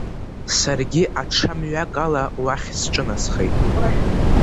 Саргьы аҽамҩакала уахь сҿынасхеит…